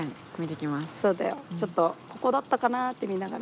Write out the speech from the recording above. ちょっとここだったかなって見ながら。